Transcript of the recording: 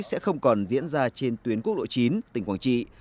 sẽ không còn diễn ra trên tuyến quốc lộ chín tỉnh quảng trị